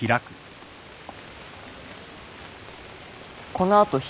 この後暇？